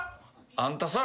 「あんたさ」